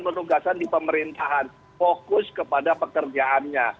penugasan di pemerintahan fokus kepada pekerjaannya